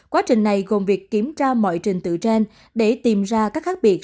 quá trình này gồm việc kiểm tra mọi trình tự trên để tìm ra các khác biệt